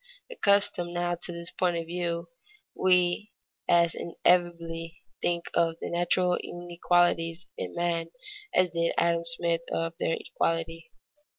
Accustomed now to this point of view, we as inevitably think of the natural inequalities in men as did Adam Smith of their equality.